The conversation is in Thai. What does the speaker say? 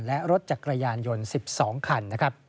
และรถจักรยานยนต์๑๒คัน